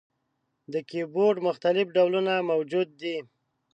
د کیبورډ مختلف ډولونه موجود دي.